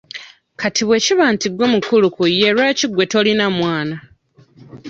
Kati bwe kiba nti gwe mukulu ku ye, lwaki gwe tolina mwana?